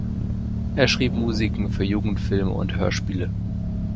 Er schrieb Musiken für Jugendfilme und Hörspiele.